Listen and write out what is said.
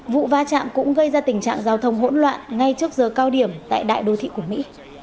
vụ va chạm cũng gây ra tình trạng giao thông hỗn loạn ngay trước giờ cao điểm tại đại đô thị của mỹ